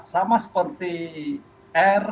sama seperti r